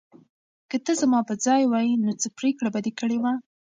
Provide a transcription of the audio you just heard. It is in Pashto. که ته زما په ځای وای، نو څه پرېکړه به دې کړې وه؟